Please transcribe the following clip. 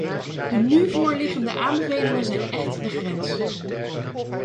De nu voorliggende aanbevelingen zijn echt de grens.